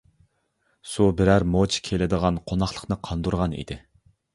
سۇ بىرەر موچە كېلىدىغان قوناقلىقنى قاندۇرغان ئىدى.